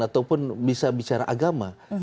ataupun bisa bicara agama